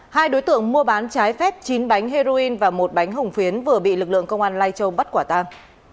hai đối tượng mua bán trái phép chín bánh heroin và một bánh hồng phiến vừa bị lực lượng công an lai châu bắt quả tang